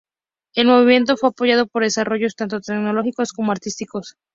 El movimiento fue apoyado por desarrollos tanto tecnológicos como artísticos.